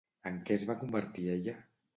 En què es va convertir ella?